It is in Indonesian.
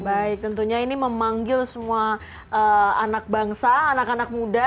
baik tentunya ini memanggil semua anak bangsa anak anak muda